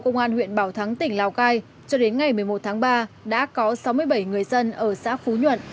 công an huyện bảo thắng tỉnh lào cai cho đến ngày một mươi một tháng ba đã có sáu mươi bảy người dân ở xã phú nhuận